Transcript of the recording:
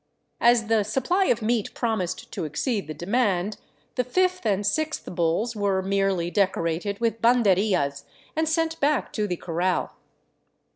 As the supply of meat promised to exceed the demand, the fifth and sixth bulls were merely decorated with banderillas and sent back to the corral.